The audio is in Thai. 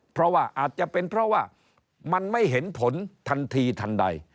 เพราะว่าอาจจะเป็นเพราะว่ามันไม่เห็นผลทันทีทันใด